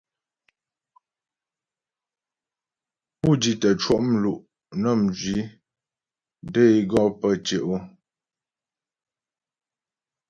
Pú di tə́ cwɔ' mlu' nə́ mjwi də é gɔ pə́ tyɛ' o.